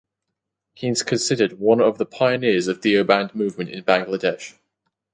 He is considered one of the pioneers of Deoband movement in Bangladesh.